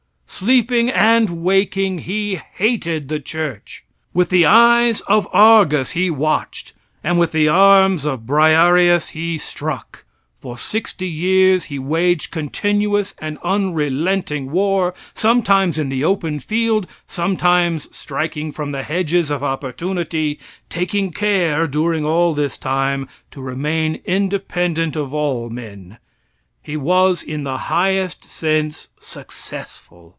Sleeping and waking he hated the church. With the eyes of Argus he watched, and with the arms of Briarieius he struck. For sixty years he waged continuous and unrelenting war, sometimes in the open field, sometimes striking from the hedges of opportunity, taking care during all this time to remain independent of all men. He was in the highest sense successful.